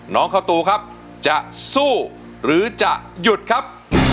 น้องข้าวตูครับจะสู้หรือจะหยุดครับ